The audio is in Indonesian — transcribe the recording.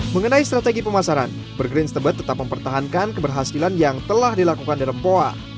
mengenai strategi pemasaran burgerins tebet tetap mempertahankan keberhasilan yang telah dilakukan di rempoa